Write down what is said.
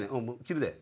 切るで。